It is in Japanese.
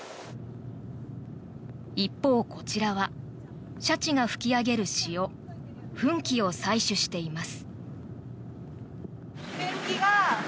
一方、こちらはシャチが吹き上げる潮、噴気を採取しています。